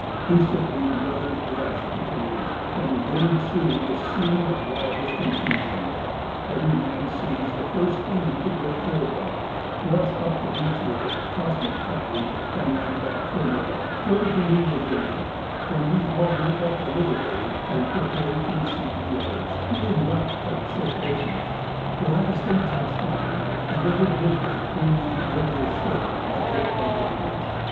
Instantly the others grasped the canoe, and there ensued a scene of the wildest confusion. Every man seized the first thing he could lay hold of, rushed up the beach with it, tossed it down, and ran back for more, till the canoe was empty, when we hauled her up a little way and prepared to receive the others, who were not quite so fortunate, for, as they touched land, another breaker came in over their stern but did no damage.